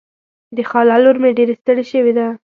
د خاله لور مې ډېره ستړې شوې ده.